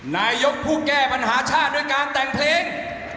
นายกผู้แก้ปัญหาชาติด้วยการแต่งเพลง